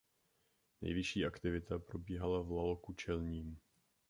Nejvyšší aktivita probíhala v laloku čelním.